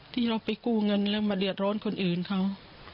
ที่เราไปกู้เงินแล้วมาเดือดร้อนคนอื่นเขา